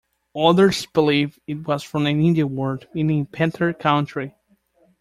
Others believed it was from an Indian word meaning 'panther country'.